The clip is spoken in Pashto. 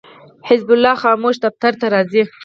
حزب الله خاموش دفتر ته راغی.